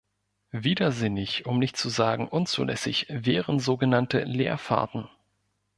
Widersinnig um nicht zu sagen unzulässig wären so genannte Leerfahrten.